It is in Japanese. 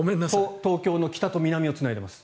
東京の北と南をつないでいます。